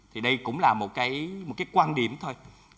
thì đây cũng là một cái quan điểm thôi